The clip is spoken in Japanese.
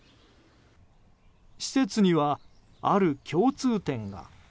施設には、ある共通点が。